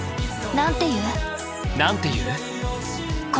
なんて言う？